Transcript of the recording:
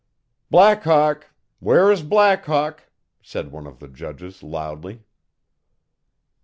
'Black Hawk! Where is Black Hawk?' said one of the judges loudly.